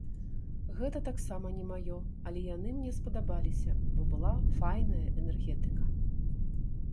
Гэта таксама не маё, але яны мне спадабаліся, бо была файная энергетыка.